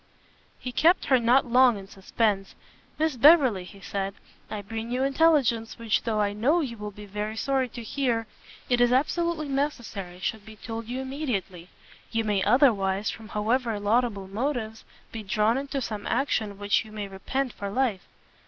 He kept her not long in suspence; "Miss Beverley," he said, "I bring you intelligence which though I know you will be very sorry to hear, it is absolutely necessary should be told you immediately: you may otherwise, from however laudable motives, be drawn into some action which you may repent for life."